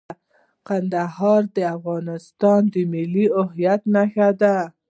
کندهار د افغانستان د ملي هویت نښه ده.